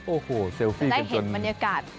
โอ้โหเซลฟี่ได้เห็นบรรยากาศ